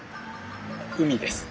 海です！